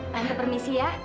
tante permisi ya